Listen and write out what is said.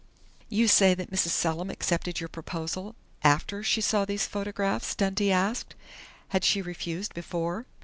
"You say that Mrs. Selim accepted your proposal after she saw these photographs?" Dundee asked. "Had she refused before?"